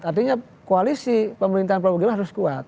artinya koalisi pemerintahan prabowo gibran harus kuat